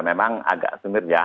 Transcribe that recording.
memang agak sumir ya